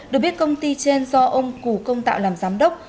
được biết công ty trên do ông cù công tạo làm giám đốc